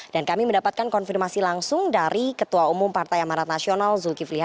dan kami mendapatkan konfirmasi langsung dari ketua umum partai amanat nasional zulkifli fahmi